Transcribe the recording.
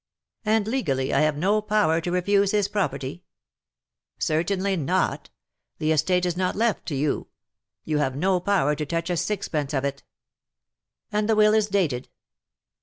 ^^ ''And legally I have no power to refuse his property T' " Certainly not. The estate is not left to you — you have no power to touch a sixpence of it.^' " And the will is dated